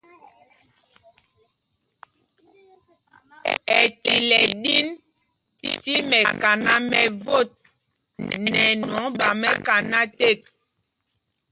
Ɛtil ɛ ɗin tí mɛkaná mɛ vot nɛ ɛnwɔŋ ɓa mɛkaná tēk.